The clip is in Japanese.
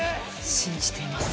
信じています